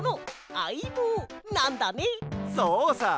そうさ。